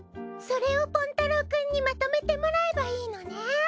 それをぽんたろうくんにまとめてもらえばいいのね。